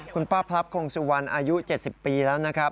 คุณป้าพลับคงสุวรรณอายุ๗๐ปีแล้วนะครับ